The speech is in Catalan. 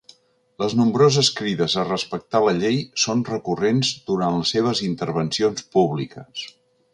Les nombroses crides a respectar la llei són recurrents durant les seves intervencions públiques.